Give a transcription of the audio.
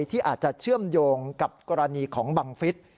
ที่อาจจะเชื่อมโยงกับกรณีของบังฟิศ